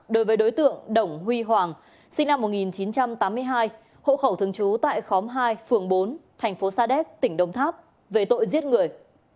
đối với đối tượng đồng huy hoàng sinh năm một nghìn chín trăm tám mươi hai hộ khẩu thường trú tại khóm hai phường bốn thành phố sa đéc tỉnh đồng tháp về tội giết người